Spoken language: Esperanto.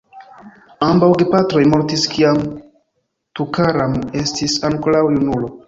Ambaŭ gepatroj mortis kiam Tukaram estis ankoraŭ junulo.